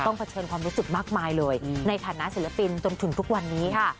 เผชิญความรู้สึกมากมายเลยในฐานะศิลปินจนถึงทุกวันนี้ค่ะ